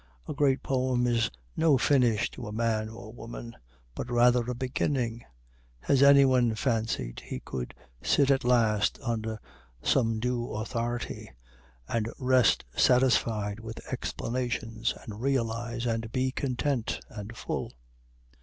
A great poem is no finish to a man or woman, but rather a beginning. Has anyone fancied he could sit at last under some due authority, and rest satisfied with explanations, and realize, and be content and full?